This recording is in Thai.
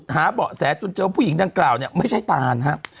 เบาะแสจนเจอผู้หญิงดังกล่าวเนี่ยไม่ใช่ตานครับ